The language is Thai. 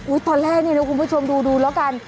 ตอนแรกนี่นะคุณผู้ชมดูดูแล้วกัน